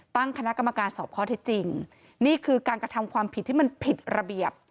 ตั้งคณะกรรมการสอบข้อเท็จจริงนี่คือการกระทำความผิดที่มันผิดระเบียบ